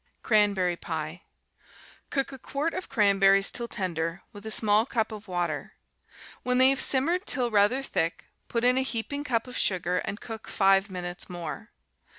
Cranberry Pie Cook a quart of cranberries till tender, with a small cup of water; when they have simmered till rather thick, put in a heaping cup of sugar and cook five minutes more.